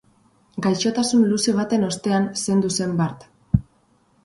Gaixotasun luze baten ostean zendu zen bart.